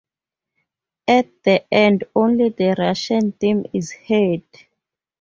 At the end only the Russian theme is heard.